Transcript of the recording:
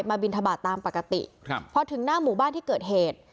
บินทบาทตามปกติครับพอถึงหน้าหมู่บ้านที่เกิดเหตุ